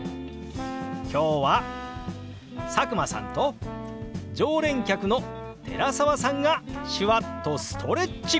今日は佐久間さんと常連客の寺澤さんが手話っとストレッチ！